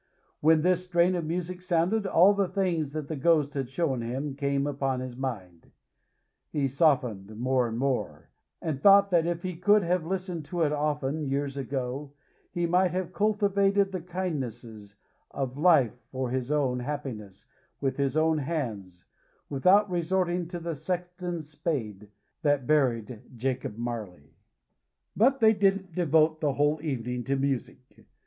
When this strain of music sounded, all the things that the Ghost had shown him, came upon his mind; he softened more and more; and thought that if he could have listened to it often, years ago, he might have cultivated the kindnesses of life for his own happiness with his own hands, without resorting to the sexton's spade that buried Jacob Marley. But they didn't devote the whole evening to music.